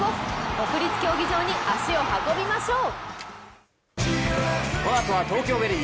国立競技場に足を運びましょう。